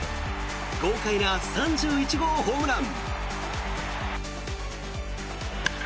豪快な３１号ホームラン。